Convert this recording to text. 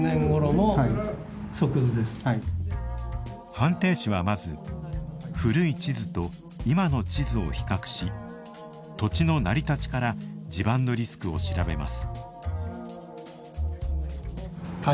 判定士はまず古い地図と今の地図を比較し土地の成り立ちから地盤のリスクを調べます。